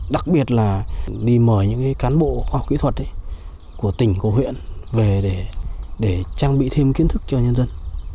đặc biệt là đi mời những cán bộ khoa học kỹ thuật của tỉnh của huyện về để trang bị thêm kiến thức cho nhân dân